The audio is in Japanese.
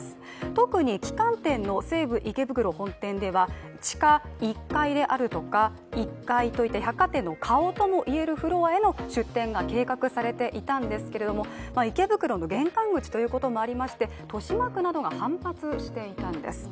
特に旗艦店の西武池袋本店では、地下１階であるとか、１階といった百貨店の顔ともいえるフロアへの出店が計画されていたんですけども池袋の玄関口ということもありまして豊島区などが反発していたんです。